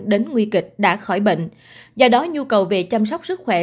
đến nguy kịch đã khỏi bệnh do đó nhu cầu về chăm sóc sức khỏe